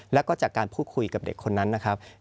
แล้วก็จากการพูดคุยกับเด็กคนนั้นนะครับ